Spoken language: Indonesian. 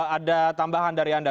ada tambahan dari anda